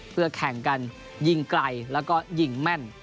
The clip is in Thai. เพื่อแข่งกันยิงไกลแล้วก็ยิงแม่น